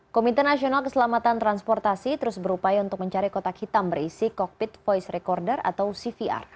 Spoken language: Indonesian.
komite nasional keselamatan transportasi terus berupaya untuk mencari kotak hitam berisi kokpit voice recorder atau cvr